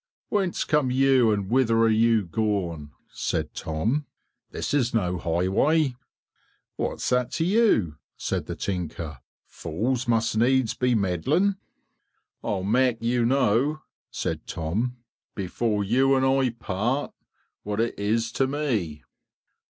"Whence come you and whither are you going?" said Tom, "this is no highway." "What's that to you?" said the tinker; "fools must needs be meddling." "I'll make you know," said Tom, "before you and I part, what it is to me."